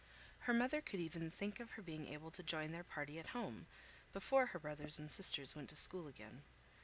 Her mother could even think of her being able to join their party at home, before her brothers and sisters went to school again.